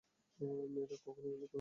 মেয়েরা কখনো অভিযোগ করেনি।